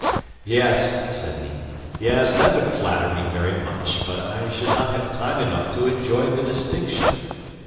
"Yes," said he, "yes, that would flatter me very much; but I should not have time enough to enjoy the distinction.